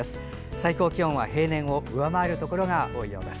最高気温は平年を上回るところが多いようです。